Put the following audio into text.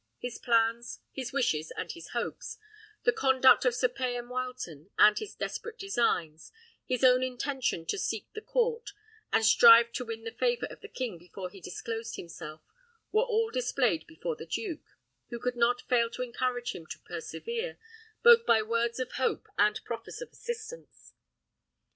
His plans, his wishes, and his hopes; the conduct of Sir Payan Wileton, and his desperate designs; his own intention to seek the court, and strive to win the favour of the king before he disclosed himself; were all displayed before the duke, who did not fail to encourage him to persevere, both by words of hope and proffers of assistance.